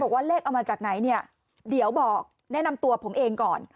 ว่าเลขเอามาจากไหนเนี่ยเดี๋ยวบอกแนะนำตัวผมเองก่อน